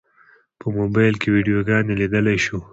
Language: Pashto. په موبایل کې ویډیوګانې لیدلی شو.